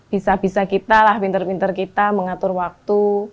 bisa bisa kita lah pinter pinter kita mengatur waktu